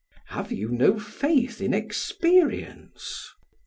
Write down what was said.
"Have you no faith in experience?"